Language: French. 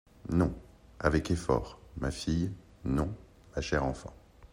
Non, Avec effort. ma fille… non, ma chère enfant…